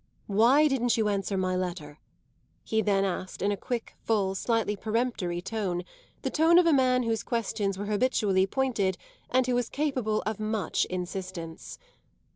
"Why didn't you answer my letter?" he then asked in a quick, full, slightly peremptory tone the tone of a man whose questions were habitually pointed and who was capable of much insistence.